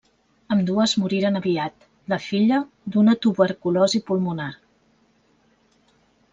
Ambdues moriren aviat; la filla d’una tuberculosi pulmonar.